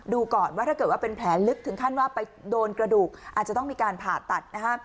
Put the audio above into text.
ก่อนว่าถ้าเกิดว่าเป็นแผลลึกถึงขั้นว่าไปโดนกระดูกอาจจะต้องมีการผ่าตัด